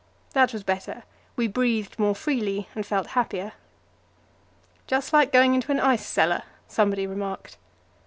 That was better; we breathed more freely and felt happier. "Just like going into an ice cellar," somebody remarked.